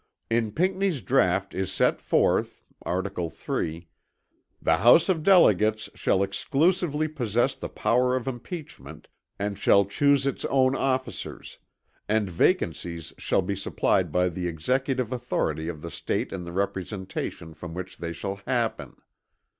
In Pinckney's draught is set forth (art. 3) "The House of Delegates shall exclusively possess the power of impeachment, and shall choose its own officers; and vacancies shall be supplied by the executive authority of the State in the representation from which they shall happen."